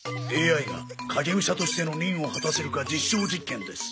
ＡＩが影武者としての任を果たせるか実証実験です。